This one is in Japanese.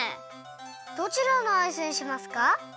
どちらのアイスにしますか？